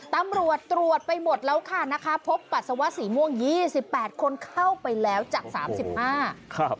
ตำรวจตรวจไปหมดแล้วค่ะพบปัสสาวะสีม่วง๒๘คนเข้าไปแล้วจาก๓๕